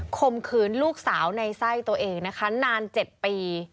ข่มขืนลูกสาวในไส้ตัวเองนะคะนาน๗ปี